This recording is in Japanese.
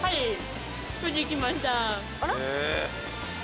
あら？